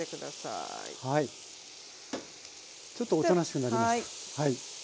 ちょっとおとなしくなりましたはい。